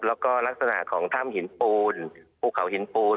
แล้วก็ลักษณะของถ้ำหินปูนภูเขาหินปูน